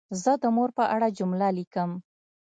زه د مور په اړه جمله لیکم.